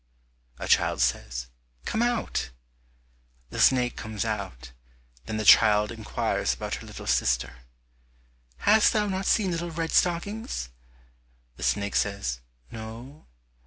A child says, "Come out." The snake comes out, then the child inquires about her little sister: "Hast thou not seen little Red stockings?" The snake says, "No."